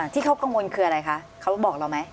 ที่เขากังวลคืออะไรคะเขาบอกเราไหม